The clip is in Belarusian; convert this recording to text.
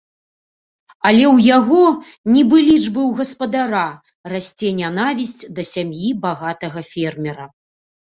Але ў яго, нібы лічбы ў гаспадара, расце нянавісць да сям'і багатага фермера.